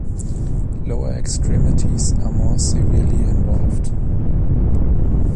Lower extremities are more severely involved.